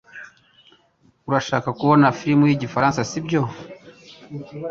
Urashaka kubona firime yigifaransa, sibyo?